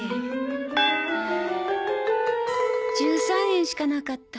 １３円しかなかった。